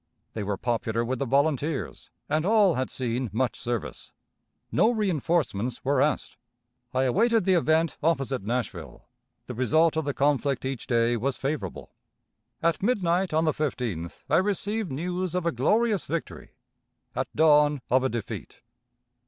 They were popular with the volunteers, and all had seen much service. No reënforcements were asked. I awaited the event opposite Nashville. The result of the conflict each day was favorable. At midnight on the 15th I received news of a glorious victory; at dawn, of a defeat.